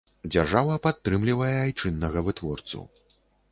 Дзяржава падтрымлівае айчыннага вытворцу.